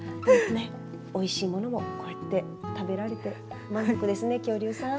おいしいものもこうやって食べられて満足ですね、恐竜さん。